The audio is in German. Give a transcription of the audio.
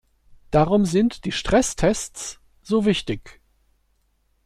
Darum sind die Stresstests so wichtig.